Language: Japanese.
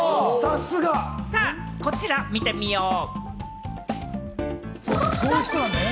さぁ、こちら見てみよう。